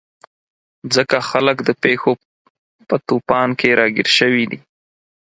ځکه خلک د پېښو په توپان کې راګیر شوي دي.